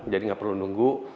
jadi nggak perlu nunggu